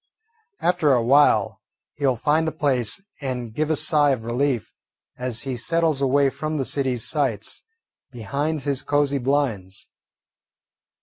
After a while he will find a place and give a sigh of relief as he settles away from the city's sights behind his cosey blinds.